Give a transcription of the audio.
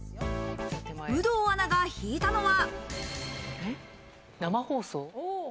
有働アナが引いたのは。